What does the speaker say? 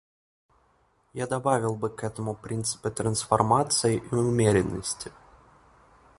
Я добавил бы к этому принципы трансформации и умеренности.